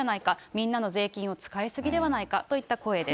みんなの税金を使い過ぎじゃないかといった声です。